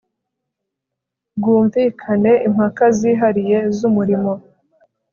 bwumvikane impaka zihariye z umurimo